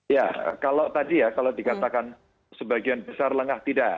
ya kalau tadi ya kalau dikatakan sebagian besar lengah tidak